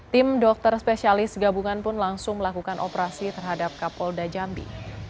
tim dokter spesialis gabungan pun langsung melakukan operasi terhadap kapolda jambi